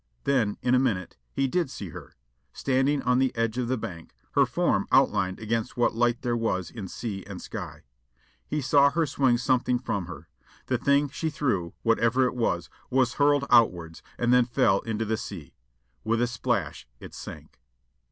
Then, in a minute, he did see her standing on the edge of the bank, her form outlined against what light there was in sea and sky. He saw her swing something from her. The thing she threw, whatever it was, was whirled outwards, and then fell into the sea. With a splash, it sank.